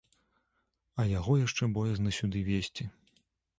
А яго яшчэ боязна сюды везці.